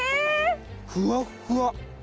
ふわっふわ！